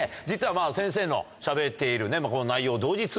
実は先生のしゃべっている内容を。